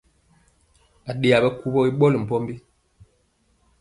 Aɗeya bikuwɔ i ɓɔli mpɔmbi.